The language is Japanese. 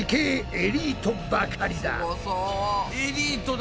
エリートだな。